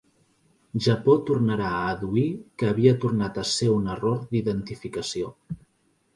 Japó tornà a adduir que havia tornat a ser un error d'identificació.